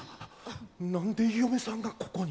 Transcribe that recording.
なんで嫁さんがここに。